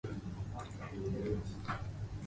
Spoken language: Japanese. ありがとう。ごめんな